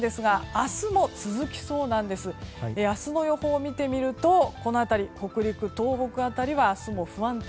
明日の予報を見てみると北陸、東北辺りは明日も不安定。